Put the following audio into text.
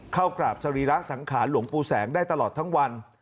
เข้ากราบสรีระสังขารหลวงปู่แสงได้ตลอดทั้งวัน